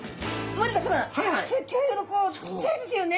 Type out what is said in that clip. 森田さますっギョいうろこちっちゃいですよね。